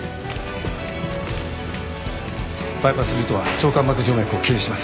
バイパスルートは腸間膜静脈を経由します。